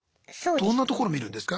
どんなところを見るんですか？